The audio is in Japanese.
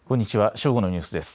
正午のニュースです。